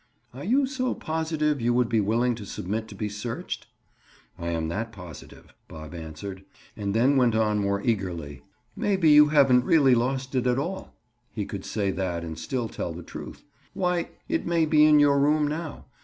"Are you so positive you would be willing to submit to be searched?" "I am that positive," Bob answered. And then went on more eagerly: "Maybe you haven't really lost it after all." He could say that and still tell the truth. "Why, it may be in your room now.